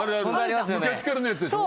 昔からのやつでしょ。